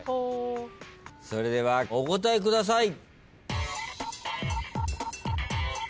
それではお答えください。